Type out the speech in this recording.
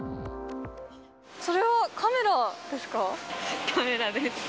それはカメラですか？